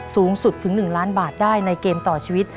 สูงสุดถึง๑ล้านบาทได้ในเกมต่อชีวิต